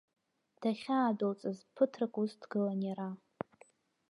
Дахьаадәылҵыз ԥыҭрак ус дгылан иара.